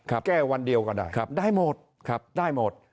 แก้วันเดียวก็ได้ได้หมด